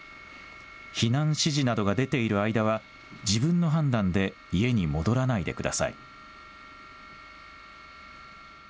避難指示などが出ている間は自分の判断で家に戻らないでください。